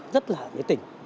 rất là nghĩa tình